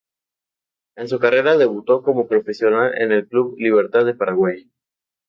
En su carrera debutó como profesional en el Club Libertad de Paraguay.